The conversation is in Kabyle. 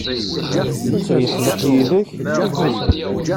Netta yeḥdeq yid-k?